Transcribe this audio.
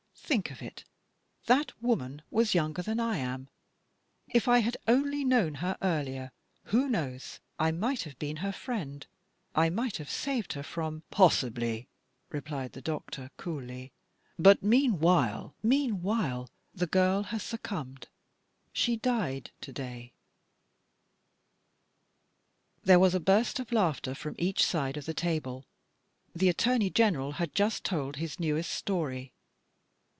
Think of it ! That woman was younger than I am. If I had only known her earlier, who knows ? I might have been her friend ; I might have saved her from " "Possibly^' replied the doctor coolly, " but meanwhile "" Meanwhile the girl has succumbed. She died last night." DUNLOP STRANGE MAKES A MISTAKE. 251 There was a burst of laughter from each side of the table. The Attorney General had just told his newest story.